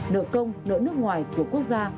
nợ công nợ nước ngoài của quốc gia